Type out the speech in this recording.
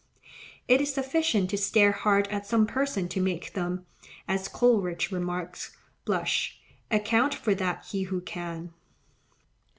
It is sufficient to stare hard at some persons to make them, as Coleridge remarks, blush,—"account for that he who can."